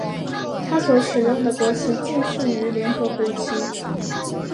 它所使用的国旗近似于联合国旗。